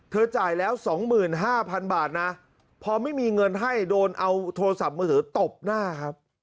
จ่ายแล้ว๒๕๐๐๐บาทนะพอไม่มีเงินให้โดนเอาโทรศัพท์มือถือตบหน้าครับ